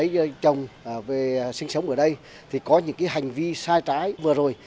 với chồng về sinh sống ở đây thì có những cái hành vi sai trái vừa rồi